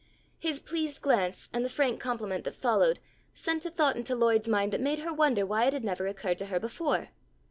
His pleased glance and the frank compliment that followed sent a thought into Lloyd's mind that made her wonder why it had never occurred to her before.